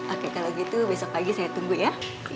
oke kalau gitu besok pagi saya tunggu ya